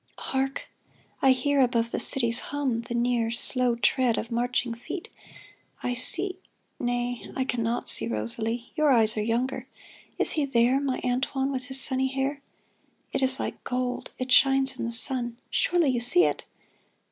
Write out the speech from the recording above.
Hark ! 1 hear Above the city's hum the near Slow tread of marching feet ; I see — Nay, I can not see, Rosalie ; Your eyes are younger. Is he there, My Antoine, with his sunny hair ? It is like gold ; it shines in the sun : Surely you see it